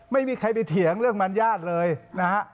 ไม่มีใครไปเถียงเรื่องบรรยาทเลยนะฮะ